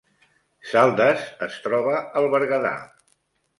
Saldes es troba al Berguedà